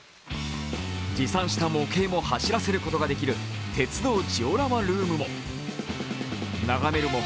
持参した模型も走らせることができる、鉄道ジオラマルームも。